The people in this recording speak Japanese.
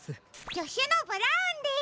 じょしゅのブラウンです。